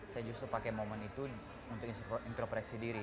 saya justru pakai momen itu untuk intro pereksi diri